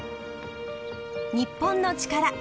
『日本のチカラ』